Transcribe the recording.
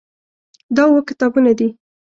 دا اووه کتابونه دي.